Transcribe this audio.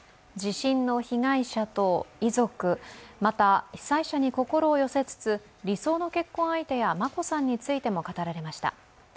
地震の被害者と遺族また被災者に心を寄せつつ、理想の結婚相手や眞子さんについても語られました。